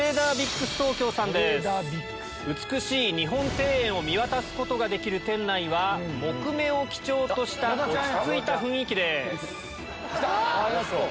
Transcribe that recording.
美しい日本庭園を見渡すことができる店内は木目を基調とした落ち着いた雰囲気です。